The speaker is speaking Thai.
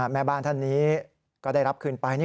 แม่บ้านท่านนี้ก็ได้รับคืนไป